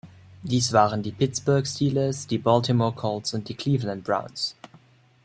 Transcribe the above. Dies waren die Pittsburgh Steelers, die Baltimore Colts und die Cleveland Browns.